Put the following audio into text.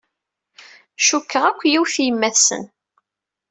Cukkeɣ akk yiwet yemma-t-sen.